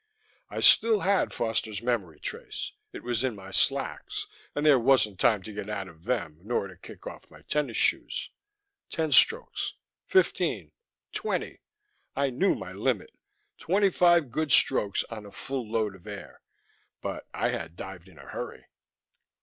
I still had Foster's memory trace; it was in my slacks and there wasn't time to get out of them nor to kick off my tennis shoes. Ten strokes, fifteen, twenty. I knew my limit: twenty five good strokes on a full load of air; but I had dived in a hurry....